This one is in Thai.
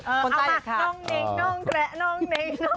เอามาน้องเน้งน้องแกะน้องเน้งน้องเน้ง